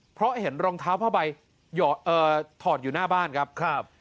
เพราะเห็นรองเท้าผ้าใบถอดอยู่หน้าบ้านครับ